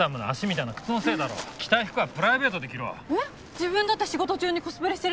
自分だって仕事中にコスプレしてるのに？